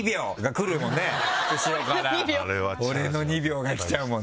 後ろから俺の２秒がきちゃうもんね。